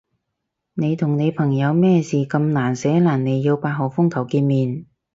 你同你朋友咩事咁難捨難離要八號風球見面？